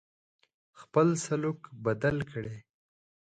خپل سلوک بدل کړی.